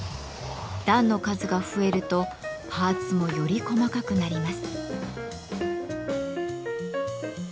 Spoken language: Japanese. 段の数が増えるとパーツもより細かくなります。